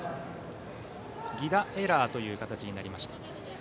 犠打エラーという形になりました。